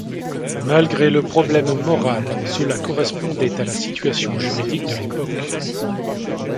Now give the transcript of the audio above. Malgré le problème moral, cela correspondait à la situation juridique de l'époque.